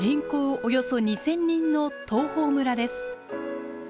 およそ２，０００人の東峰村です。